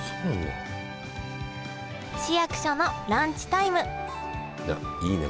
市役所のランチタイムいいね